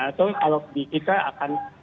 atau kalau kita akan